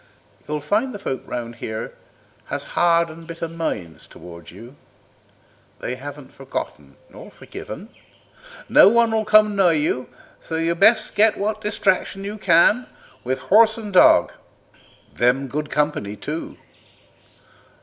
You'll find the folk around here has hard and bitter minds towards you. They hasn't forgotten nor forgiven. No one'll come nigh you, so you'd best get what distraction you can with horse and dog. They'm good company, too."